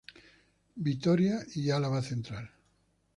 Vitoria y Álava Central.